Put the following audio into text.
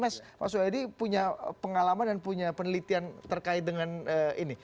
mas soedi punya pengalaman dan punya penelitian terkait dengan ini